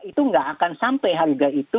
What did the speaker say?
itu nggak akan sampai harga itu